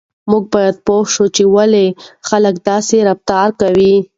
موږ باید پوه شو چې ولې خلک داسې رفتار کوي.